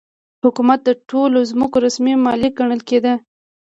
حکومت د ټولو ځمکو رسمي مالک ګڼل کېده.